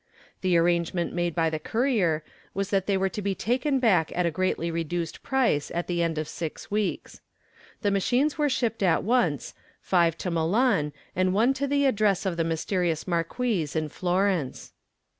The arrangement made by the courier was that they were to be taken back at a greatly reduced price at the end of six weeks. The machines were shipped at once, five to Milan, and one to the address of the mysterious marquise in Florence.